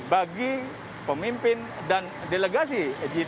bagi pemimpin dan delegasi